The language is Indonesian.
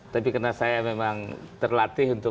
tapi karena saya memang terlatih untuk